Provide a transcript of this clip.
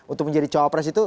untuk menjadi cowok pres itu